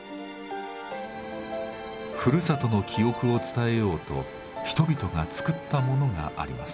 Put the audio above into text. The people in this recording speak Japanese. ふるさとの記憶を伝えようと人々が作ったものがあります。